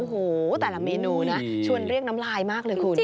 โอ้โหแต่ละเมนูนะชวนเรียกน้ำลายมากเลยคุณ